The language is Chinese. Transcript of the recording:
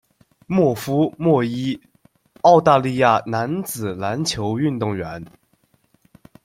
默夫·莫伊，澳大利亚男子篮球运动员。